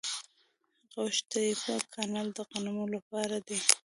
قوش تیپه کانال د غنمو لپاره دی.